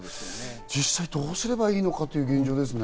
実際、どうすればいいのかという現状ですね。